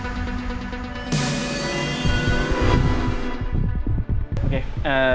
nanti dia nolak keinginannya reina